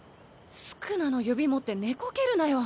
宿儺の指持って寝こけるなよ。